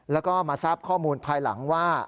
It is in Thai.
แล้วก็มาทราบข้อมูลภายหลังว่า